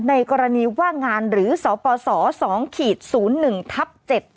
ในกรณีว่างงานหรือสปส๒๐๑ทับ๗